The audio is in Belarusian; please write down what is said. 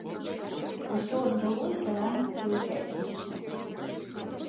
Усё адбылося раніцай у пятніцу.